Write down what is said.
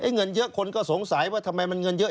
เงินเยอะคนก็สงสัยว่าทำไมมันเงินเยอะ